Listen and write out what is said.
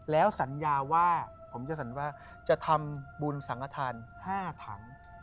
แล้วสัญญาว่าจะทำบุญสังฆฐาน๕ถัง